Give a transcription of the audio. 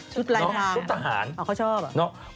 ชุดอะไรอ่ะชุดสหารเขาชอบอ่ะ